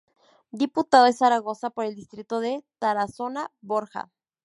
Diputado de Zaragoza por el distrito de Tarazona-Borja.